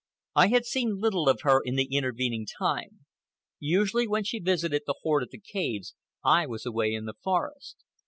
I had seen little of her in the intervening time. Usually, when she visited the horde at the caves, I was away in the forest.